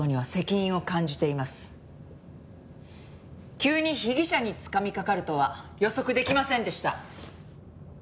急に被疑者につかみかかるとは予測できませんでした。